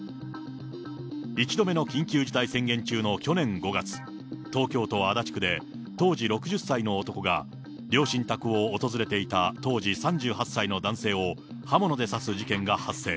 １度目の緊急事態宣言中の去年５月、東京都足立区で当時６０歳の男が、両親宅を訪れていた当時３８歳の男性を刃物で刺す事件が発生。